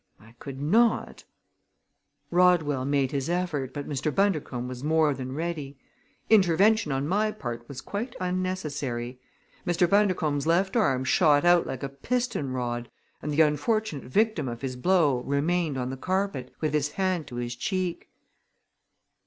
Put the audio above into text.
I could not " Rodwell made his effort, but Mr. Bundercombe was more than ready. Intervention on my part was quite unnecessary. Mr. Bundercombe's left arm shot out like a piston rod and the unfortunate victim of his blow remained on the carpet, with his hand to his cheek.